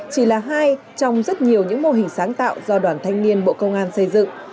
chỉ là hai trong rất nhiều những mô hình sáng tạo do đoàn thanh niên bộ công an xây dựng